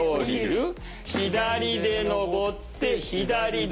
左で上って左で。